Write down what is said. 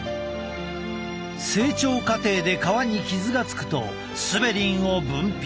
成長過程で皮に傷がつくとスベリンを分泌。